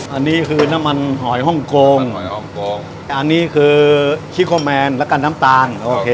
อันนี้คือน้ำมันหอยฮ่องกงน้ำมันหอยฮ่องกงอันนี้คือแล้วกันน้ำตาลโอเค